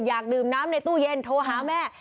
อยากดื่มน้ำในตู้เย็นโทรหาแม่